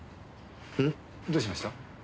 ん？どうしました？